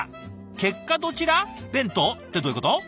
「結果どちら？弁当」ってどういうこと？